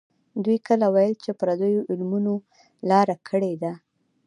دوی کله ویل چې پردیو علمونو لاره کړې ده.